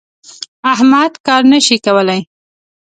احمد کار نه شي کولای.